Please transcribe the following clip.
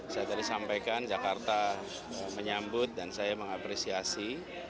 saya tadi sampaikan jakarta menyambut dan saya mengapresiasi